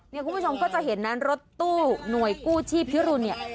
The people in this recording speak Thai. คุณผู้ชมก็จะเห็นนะรถตู้หน่วยกู้ชีพพิรุณเนี่ย